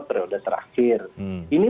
periode terakhir ini